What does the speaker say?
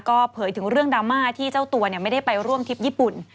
ก็เผยถึงเรื่องดราม่าที่เจ้าตัวไม่ได้ไปร่วมทริปญี่ปุ่น